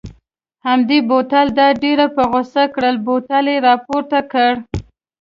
همدې بوتل دا ډېره په غوسه کړل، بوتل یې را پورته کړ.